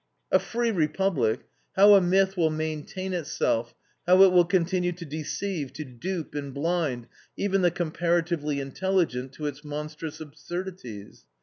A free Republic! How a myth will maintain itself, how it will continue to deceive, to dupe, and blind even the comparatively intelligent to its monstrous absurdities.